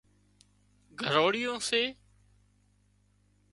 گروۯيئيون سي